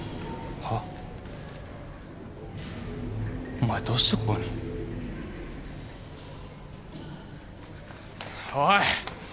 お前どうしてここにおい！